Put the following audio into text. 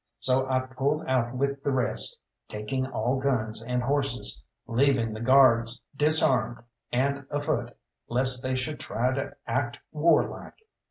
So I pulled out with the rest, taking all guns and horses, leaving the Guards disarmed and afoot lest they should try to act warlike.